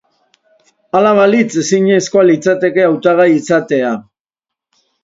Hala balitz, ezinezkoa litzateke hautagai izatea.